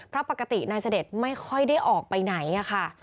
เพราะปกตินายเสด็จไม่ค่อยได้ออกไปไหนค่ะ